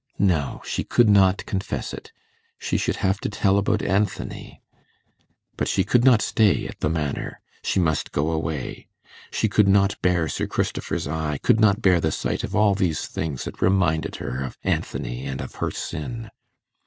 No! she could not confess it she should have to tell about Anthony. But she could not stay at the Manor; she must go away; she could not bear Sir Christopher's eye, could not bear the sight of all these things that reminded her of Anthony and of her sin.